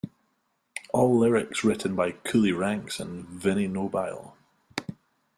All lyrics written by Coolie Ranx and Vinnie Nobile.